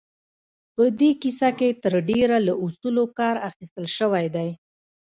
په دې کيسه کې تر ډېره له اصولو کار اخيستل شوی دی.